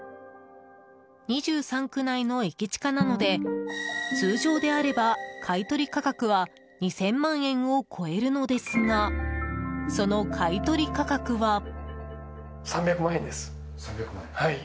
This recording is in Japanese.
２３区内の駅近なので通常であれば買い取り価格は２０００万円を超えるのですがその買い取り価格は。